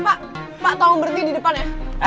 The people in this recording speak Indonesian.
pak tau ngomong berhenti di depan ya